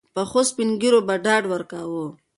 پخوسپین ږیرو به ډاډ ورکاوه.